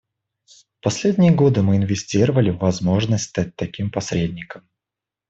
В последние годы мы инвестировали в возможность стать таким посредником.